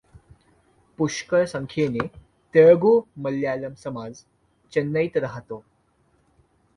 पुष्कळ संख्येने तेलगू मल्यालम समाज चेन्नईत राहतो.